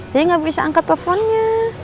jadi gak bisa angkat teleponnya